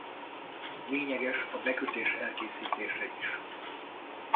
Lényeges a bekötés elkészítése is.